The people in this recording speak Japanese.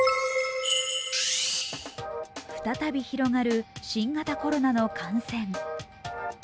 再び広がる新型コロナの感染。